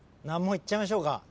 難問いっちゃいましょうか。